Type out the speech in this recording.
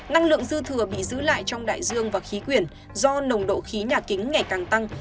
năng lượng dư thừa bị giữ lại trong đại dương và khí quyển do nồng độ khí nhà kính ngày càng tăng